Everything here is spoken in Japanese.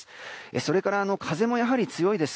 それから風もやはり強いです。